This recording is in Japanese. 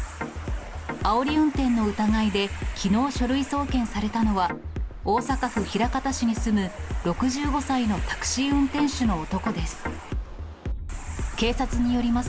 あおり運転の疑いで、きのう書類送検されたのは、大阪府枚方市に住む６５歳のタクシー運転手の男です。